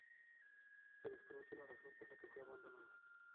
Se desconoce la razón por la que fue abandonado.